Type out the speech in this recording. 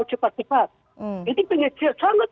cepat cepat ini sangat